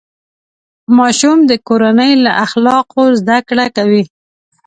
ماشوم د کورنۍ له اخلاقو زده کړه کوي.